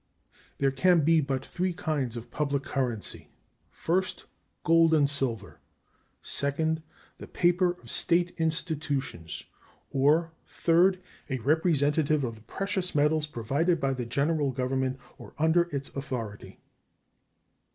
There can be but three kinds of public currency first, gold and silver; second, the paper of State institutions; or, third, a representative of the precious metals provided by the General Government or under its authority.